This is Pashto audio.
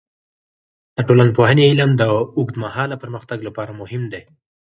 د ټولنپوهنې علم د اوږدمهاله پرمختګ لپاره مهم دی.